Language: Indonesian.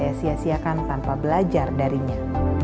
mungkin saya sia siakan tanpa belajar darinya